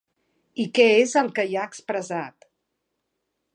I què és el que hi ha expressat?